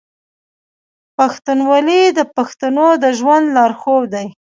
پښتونولي د پښتنو د ژوند لارښود دی.